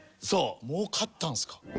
もう買ったんですか？